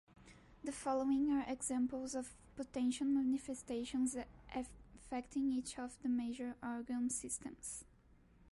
The following are examples of potential manifestations affecting each of the major organ systems.